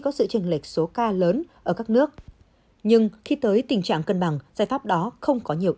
có sự tranh lệch số ca lớn ở các nước nhưng khi tới tình trạng cân bằng giải pháp đó không có nhiều